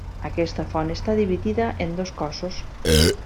Aquesta font està dividida en dos cossos.